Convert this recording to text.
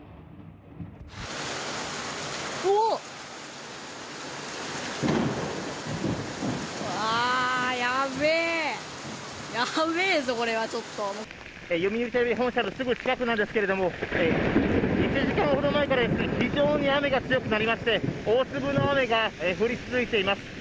うわー、やべー、やべーぞ、読売テレビ本社のすぐ近くなんですけれども、１時間ほど前から、非常に雨が強くなりまして、大粒の雨が降り続いています。